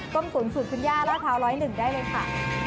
ต้มสุดขุนย่าราตาว๑๐๑ได้เลยค่ะ